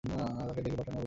তাকে ডেকে পাঠানো হল।